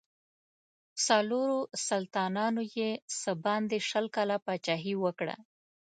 څلورو سلطانانو یې څه باندې شل کاله پاچهي وکړه.